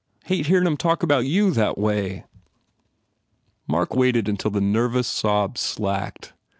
I hate hearin them talk about you that way!" Mark waited until the nervous sobs slacked.